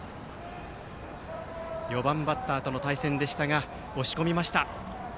４番バッターとの対戦でしたが押し込みました。